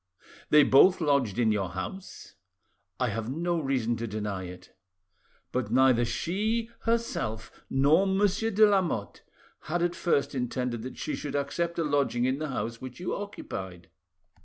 "They both lodged in your house?" "I have no reason to deny it." "But neither she herself, nor Monsieur de Lamotte, had at first intended that she should accept a lodging in the house which you occupied."